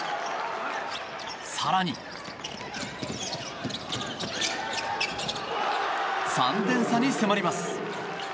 更に、３点差に迫ります。